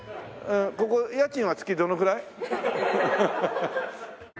ここ家賃は月どのぐらい？